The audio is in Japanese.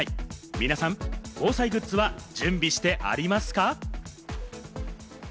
皆さん、防災グッズは準備してありますか？